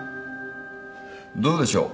どうでしょう？